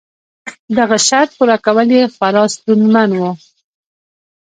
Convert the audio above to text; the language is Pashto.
دغه شرط پوره کول یې خورا ستونزمن و.